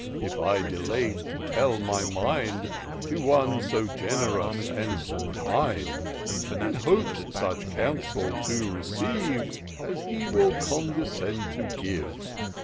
If I delay'd to tell my mind To one so gen'rous, and so kind, In hopes such counsel to receive As he will condescend to give.